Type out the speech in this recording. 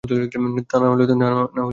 তা নাহলে আমি আঘাত পেতাম।